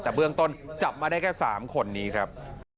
แต่เบื้องต้นจับมาได้แค่๓คนนี้ครับ